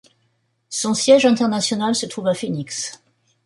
Son siège international se trouve à Phoenix.